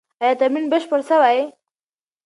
ایا تمرین بشپړ سوی؟